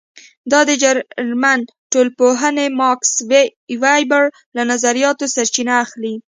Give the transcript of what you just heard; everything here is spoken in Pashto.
دا د جرمن ټولنپوه ماکس وېبر له نظریاتو سرچینه اخلي.